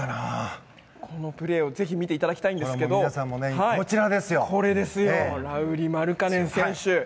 このプレーをぜひ見ていただきたいんですがラウリ・マルカネン選手。